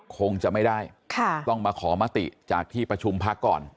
คงจะไม่ได้ต้องมาขอมติจากที่ประชุมพักก่อน